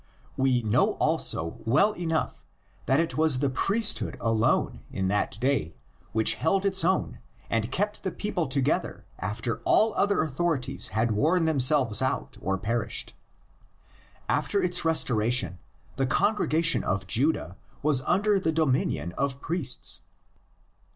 We know also well enough that it was the priesthood alone in that day which held its own and kept the people together after all other authorities had worn them selves out or perished: after its restoration the con gregation of Judah was under the dominion of priests.